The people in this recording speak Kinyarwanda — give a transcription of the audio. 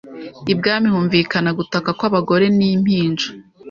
ibwami humvikana gutaka kwabagore nimpinja